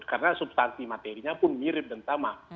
karena substansi materinya pun mirip dan sama